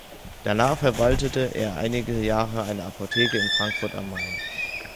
Danach verwaltete er einige Jahre eine Apotheke in Frankfurt am Main.